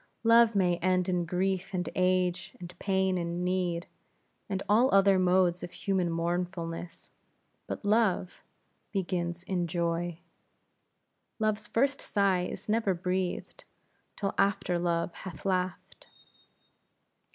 Love may end in grief and age, and pain and need, and all other modes of human mournfulness; but love begins in joy. Love's first sigh is never breathed, till after love hath laughed.